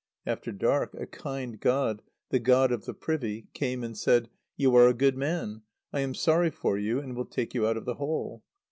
After dark, a kind god, the God of the Privy, came and said: "You are a good man. I am sorry for you, and will take you out of the hole."